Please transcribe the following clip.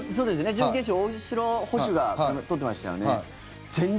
準決勝、大城捕手がとってましたよね。